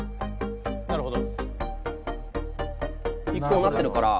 １本になってるから。